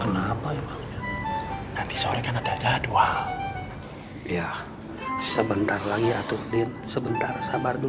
nanti aja masih tunggu